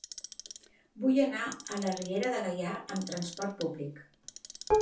Vull anar a la Riera de Gaià amb trasport públic.